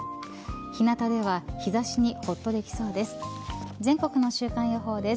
日なたでは、日差しにほっとできそうです。